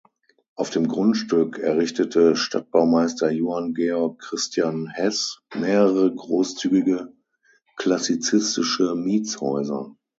Auf dem Grundstück errichtete Stadtbaumeister Johann Georg Christian Hess mehrere großzügige klassizistische Mietshäuser.